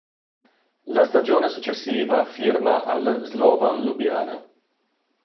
La stagione successiva firma al Slovan Lubiana.